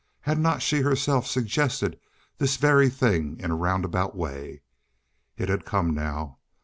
Had not she herself suggested this very thing in a roundabout way? It had come now.